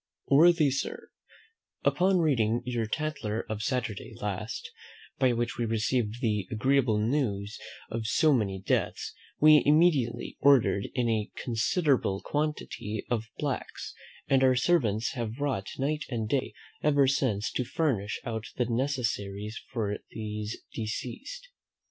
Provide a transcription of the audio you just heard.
"WORTHY SIR, "Upon reading your Tatler of Saturday last, by which we received the agreeable news of so many deaths, we immediately ordered in a considerable quantity of blacks, and our servants have wrought night and day ever since to furnish out the necessaries for these deceased.